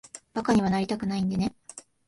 馬鹿にはなりたくないんでね。